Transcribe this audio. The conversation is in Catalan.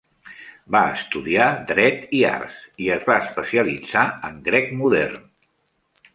Va estudiar dret i arts, i es va especialitzar en grec modern.